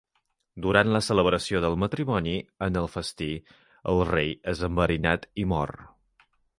Durant la celebració del matrimoni, en el festí, el rei és enverinat i mor.